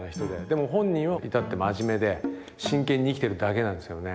でも本人は至って真面目で真剣に生きてるだけなんですよね。